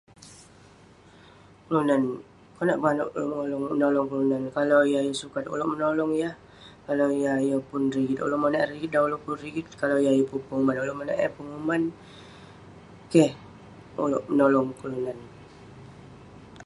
Kelunan, konak penganouk ulouk menolong kelunan, kalau yah yeng sukat, ulouk menolong yah..kalau yah yeng pun rigit, ulouk monak eh rigit dan ulouk pun rigit..kalau yah yeng pun penguman, ulouk monak eh penguman..keh ulouk menolong kelunan..